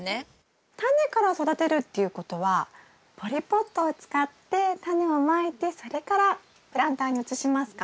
タネから育てるっていうことはポリポットを使ってタネをまいてそれからプランターに移しますか？